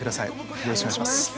よろしくお願いします。